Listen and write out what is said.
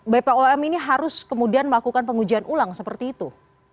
bpom ini harus kemudian melakukan pengujian ulang seperti itu